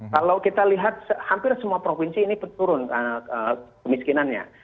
kalau kita lihat hampir semua provinsi ini turun kemiskinannya